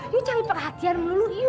you cari perhatian dulu you